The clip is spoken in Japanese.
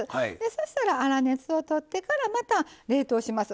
そしたら粗熱をとってからまた冷凍します。